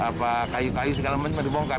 apa kayu kayu segala macam dibongkar